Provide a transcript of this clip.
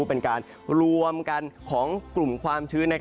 เป็นการรวมกันของกลุ่มความชื้น